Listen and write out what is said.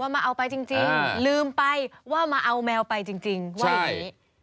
มาเอาไปจริงลืมไปว่ามาเอาแมวไปจริงว่าอย่างนี้